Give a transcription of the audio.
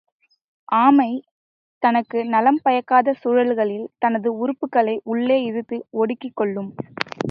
ஆமை, தனக்கு நலம் பயக்காத சூழல்களில் தனது உறுப்புகளை உள்ளே இழுத்து ஒடுக்கிக் கொள்ளும்.